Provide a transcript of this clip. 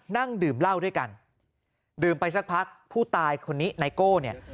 นั่งดื่มเหล้าด้วยกันดื่มไปสักพักผู้ตายคนนี้ไนโก้เนี่ย